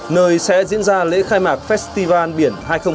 nơi sẽ diễn ra lễ khai mạc festival biển hai nghìn hai mươi ba